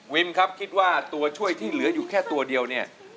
ครับคิดว่าตัวช่วยที่เหลืออยู่แค่ตัวเดียวเนี่ย